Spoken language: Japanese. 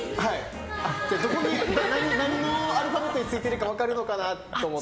何のアルファベットについてるか分かるのかなって。